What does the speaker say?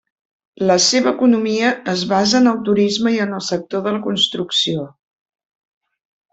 La seva economia es basa en el turisme i en el sector de la construcció.